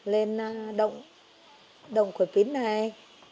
lên đồng đồng khuẩy phín này